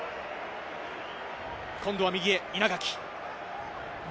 今度は右へ、稲垣。